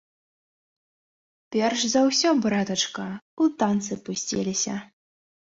Перш за ўсё, братачка, у танцы пусціліся.